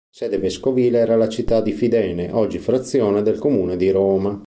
Sede vescovile era la città di Fidene, oggi frazione del comune di Roma.